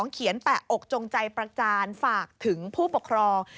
แปะอกจงใจประจานฝากถึงผู้ปกครอง